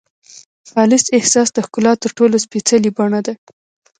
خالص احساس د ښکلا تر ټولو سپېڅلې بڼه ده.